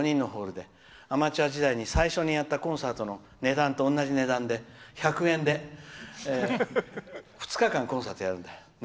アマチュア時代に最初にやったコンサートの値段と同じ値段で１００円で、２日間コンサートやるんだよ。